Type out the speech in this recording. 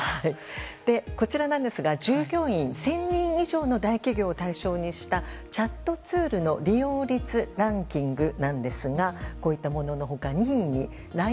こちらですが従業員１０００人以上の大企業を対象にしたチャットツールの利用率ランキングなんですがこういったものの他に２位にＬＩＮＥＷＯＲＫＳ